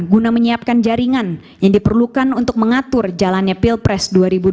guna menyiapkan jaringan yang diperlukan untuk mengatur jalannya pilpres dua ribu dua puluh